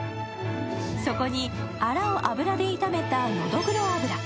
そこにアラを油で炒めたのどぐろ油。